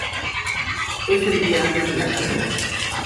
Es el día antes de la carrera.